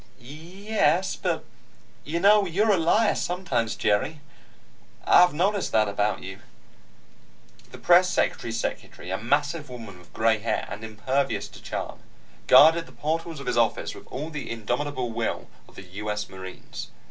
"Y e s. But you know, you're a liar sometimes, Jerry. I've noticed that about you." The press secretary's secretary, a massive woman with gray hair and impervious to charm, guarded the portals of his office with all the indomitable will of the U. S. Marines.